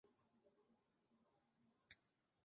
他被埋葬在芝加哥摩根公园附近的希望山公墓。